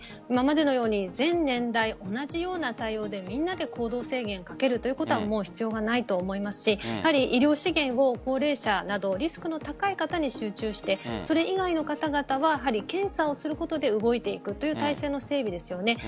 今までのように全年代同じような対応でみんなで行動制限をかけるということは必要がないと思いますし医療資源を高齢者などリスクの高い方に集中してそれ以外の方々は検査をすることで動いていくという体制の整備ですよね。